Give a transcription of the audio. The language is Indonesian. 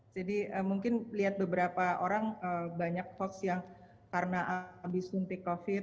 jadi mungkin lihat beberapa orang banyak hoaks yang karena abis suntik covid